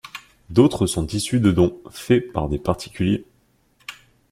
D'autres sont issues de dons fait par des particuliers.